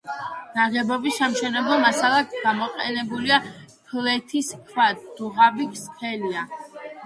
ნაგებობის სამშენებლო მასალად გამოყენებულია ფლეთილი ქვა, დუღაბი სქელია.